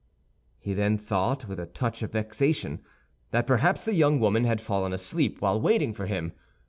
He then thought, with a touch of vexation, that perhaps the young woman had fallen asleep while waiting for him.